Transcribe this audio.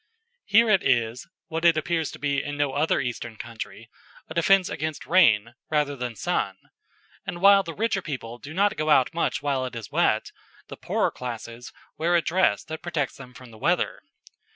Here it is, what it appears to be in no other Eastern country, a defence against rain rather than sun, and while the richer people do not go out much while it is wet, the poorer classes wear a dress that protects them from the weather.